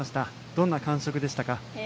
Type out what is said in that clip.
どんな感触でしたか？